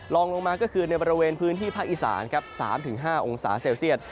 ลองลงมาก็คือในบริเวณพื้นที่ภาคอีสานครับ๓๕องศาเซลเซียต